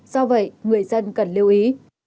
do vậy người dân cần lưu ý